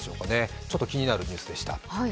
ちょっと気になるニュースでした。